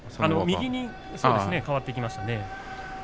右に変わっていきましたね。